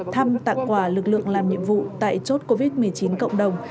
thăm tặng quà lực lượng làm nhiệm vụ tại chốt covid một mươi chín cộng đồng